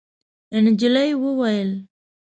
نجلۍ وویل: